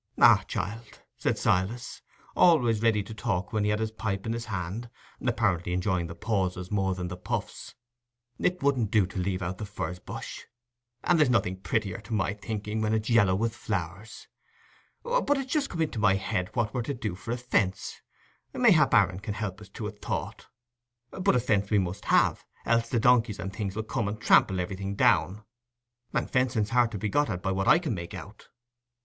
"Ah, child," said Silas, always ready to talk when he had his pipe in his hand, apparently enjoying the pauses more than the puffs, "it wouldn't do to leave out the furze bush; and there's nothing prettier, to my thinking, when it's yallow with flowers. But it's just come into my head what we're to do for a fence—mayhap Aaron can help us to a thought; but a fence we must have, else the donkeys and things 'ull come and trample everything down. And fencing's hard to be got at, by what I can make out."